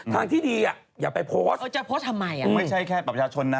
ไม่ใช่แค่ประชาชนนะ